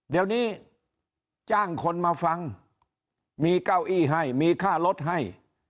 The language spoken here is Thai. เดี๋ยวนี้จ้างคนมาฟังมีเก้าอี้ให้มีค่ารถให้